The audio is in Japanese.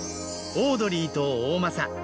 オードリーと大政。